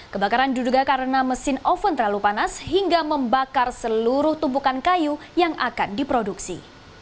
kebakaran diduga karena mesin oven terlalu panas hingga membakar seluruh tumpukan kayu yang akan diproduksi